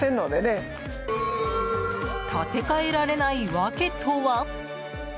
建て替えられない訳とは？